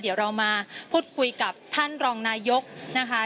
เดี๋ยวเรามาพูดคุยกับท่านรองนายกนะคะ